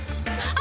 あ。